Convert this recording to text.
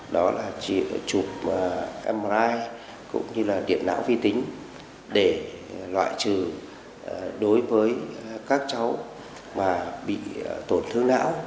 đó là chụp mrigh cũng như là điện não vi tính để loại trừ đối với các cháu mà bị tổn thương não